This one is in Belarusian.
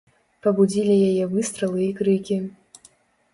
Пабудзілі яе выстралы і крыкі.